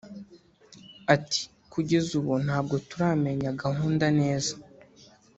Ati “Kugeza ubu ntabwo turamenya gahunda neza